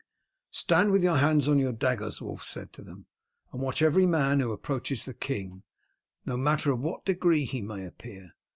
"Stand with your hands on your daggers," Wulf said to them, "and watch every man who approaches the king, no matter of what degree he may appear.